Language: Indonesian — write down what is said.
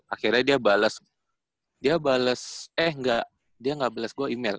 akhirnya dia bales eh dia ga bales gua email